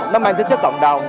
nó mang tính chất cộng đồng